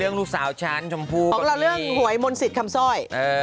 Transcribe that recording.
ของเราเรื่องหวยมนตร์สิทธิ์คำซ่อย